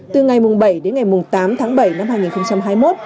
từ ngày bảy đến ngày tám tháng bảy năm hai nghìn hai mươi một